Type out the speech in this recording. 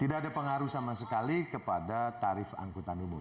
tidak ada pengaruh sama sekali kepada tarif angkutan umum